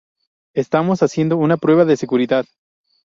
Estamos haciendo una prueba de seguridad.